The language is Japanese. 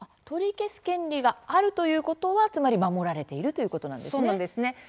取り消す権利があるということはつまり守られているというそうなんですね。